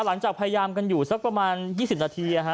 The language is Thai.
พยายามกันอยู่สักประมาณ๒๐นาที